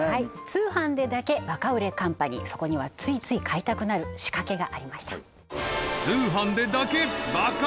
通販でだけバカ売れカンパニーそこにはついつい買いたくなる仕掛けがありました